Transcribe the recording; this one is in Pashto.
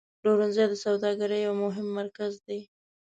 پلورنځی د سوداګرۍ یو مهم مرکز دی.